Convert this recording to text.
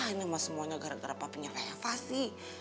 ini emang semuanya gara gara papinya reva sih